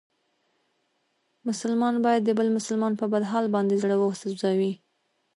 مسلمان باید د بل مسلمان په بد حال باندې زړه و سوځوي.